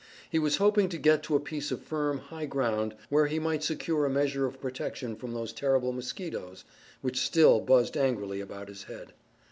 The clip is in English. He was hoping to get to a piece of firm, high ground, where he might secure a measure of protection from those terrible mosquitoes which still buzzed angrily about his head.